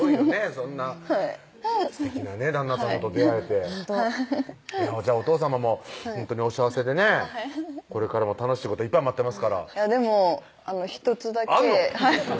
そんなすてきな旦那さまと出会えてじゃあお父さまもほんとにお幸せでねこれからも楽しいこといっぱい待ってますからでも１つだけあんの？